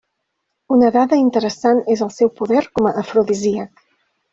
Una dada interessant és el seu poder com a afrodisíac.